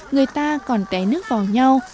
người ta còn té nước vào nhau